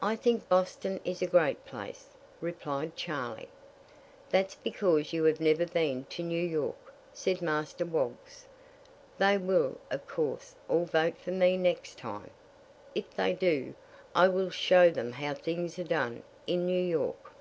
"I think Boston is a great place," replied Charley. "That's because you have never been to New York," said Master Woggs. "They will, of course, all vote for me next time. If they do, I will show them how things are done in New York."